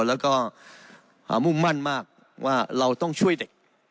แล้วก็มุ่งมั่นมากว่าเราต้องช่วยเด็ก